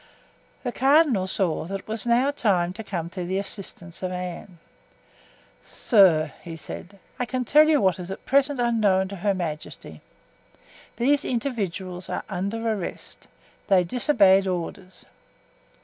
The cardinal saw that it was now high time to come to the assistance of Anne. "Sir," he said, "I can tell you what is at present unknown to her majesty. These individuals are under arrest. They disobeyed orders."